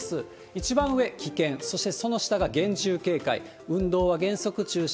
一番上、危険、そしてその下が厳重警戒、運動は原則中止。